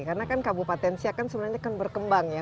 karena kan kabupaten siak kan sebenarnya akan berkembang ya